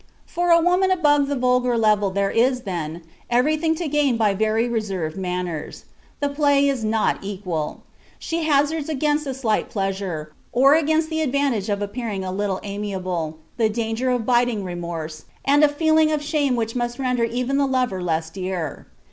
For a woman above the vulgar level there is, then, everything to gain by very reserved manners. The play is not equal. She hazards against a slight pleasure, or against the advantage of appearing a little amiable, the danger of biting remorse, and a feeling of shame which must render even the lover less dear.